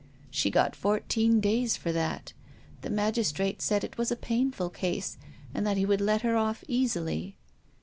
She got fourteen days for that. The magistrate said it was a painful case, and that he would let her off easily."